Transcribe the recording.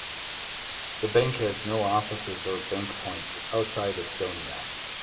The bank has no offices or bank points outside Estonia.